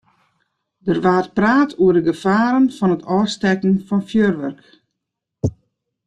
Der waard praat oer de gefaren fan it ôfstekken fan fjurwurk.